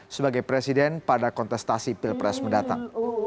sebagai presiden pada kontestasi pilpres mendatang